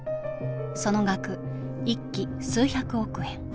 その額１機数百億円。